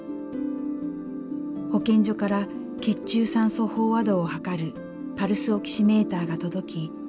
保健所から血中酸素飽和度を測るパルスオキシメーターが届き